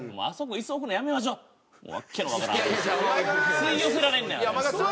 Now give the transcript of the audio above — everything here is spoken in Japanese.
吸い寄せられんねんあれ。